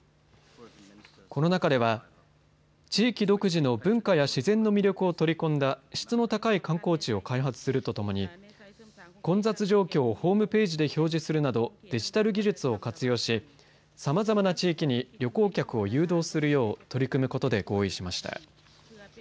この中では地域独自の文化や自然の魅力を取り込んだ質の高い観光地を開発するとともに混雑状況をホームページで表示するなどデジタル技術を活用しさまざまな地域に旅行客を誘導するよう取り組むことで合意しました。